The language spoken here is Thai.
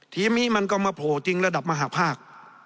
ทีนี้มันก็มาโผล่จริงระดับมหาภาค